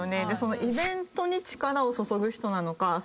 イベントに力を注ぐ人なのか。